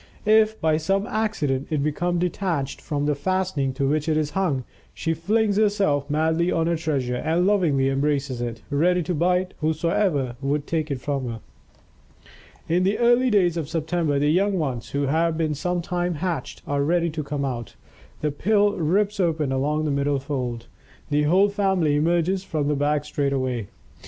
If, by some accident, it become detached from the fastening to which it is hung, she flings herself madly on her treasure and lovingly embraces it, ready to bite whoso would take it from her. In the early days of September, the young ones, who have been some time hatched, are ready to come out. The pill rips open along the middle fold. The whole family emerges from the bag straightway.